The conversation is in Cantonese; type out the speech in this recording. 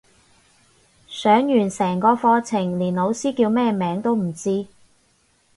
上完成個課程連老師叫咩名都唔知